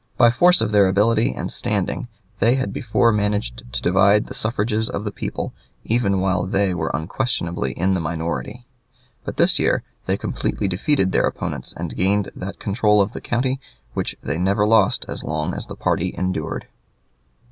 By force of their ability and standing they had before managed to divide the suffrages of the people, even while they were unquestionably in the minority; but this year they completely defeated their opponents and gained that control of the county which they never lost as long as the party endured.